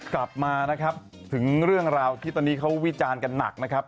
กลับมานะครับถึงเรื่องราวที่ตอนนี้เขาวิจารณ์กันหนักนะครับ